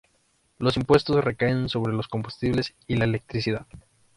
Los impuestos recaen sobre los combustible y la electricidad.